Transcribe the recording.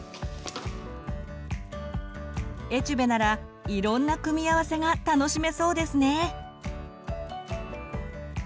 エチュベならいろんな組み合わせが楽しめそうですね！